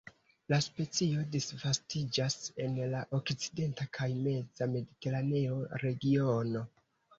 La specio disvastiĝas en la okcidenta kaj meza mediteraneo regiono.